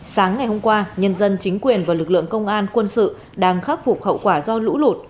sáng ngày hôm qua nhân dân chính quyền và lực lượng công an quân sự đang khắc phục hậu quả do lũ lụt